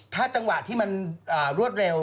ถ้าจังหวะที่มันรวดเร็ว